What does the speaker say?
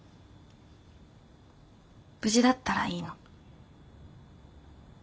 無事だったらいいの。